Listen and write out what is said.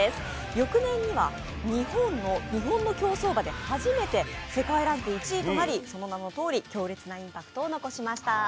翌年には、日本の競走馬で初めて世界ランク１位となり、その名のとおり強烈なインパクトを残しました。